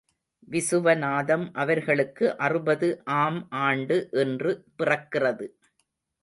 விசுவநாதம் அவர்களுக்கு அறுபது ஆம் ஆண்டு இன்று பிறக்கிறது.